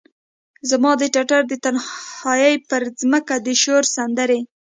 زما د ټټر د تنهایې پرمځکه د شور سندرې،